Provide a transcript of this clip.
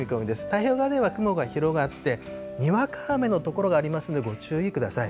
太平洋側では雲が広がって、にわか雨の所がありますのでご注意ください。